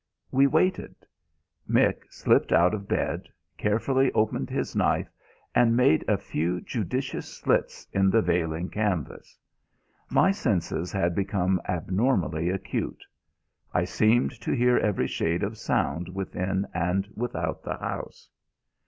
We waited. Mick slipped out of bed, carefully opened his knife and made a few judicious slits in the veiling canvas. My senses had become abnormally acute. I seemed to hear every shade of sound within and without the house.